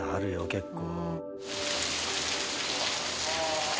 結構。